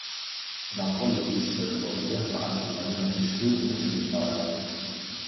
Dan kollu jfisser ukoll li aħna għażilna li naġixxu u mhux li nparlaw.